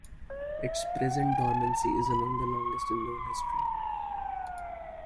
Its present dormancy is among the longest in known history.